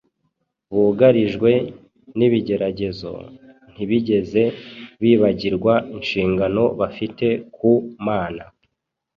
bugarijwe n’ibigeragezo, ntibigeze bibagirwa inshingano bafite ku Mana.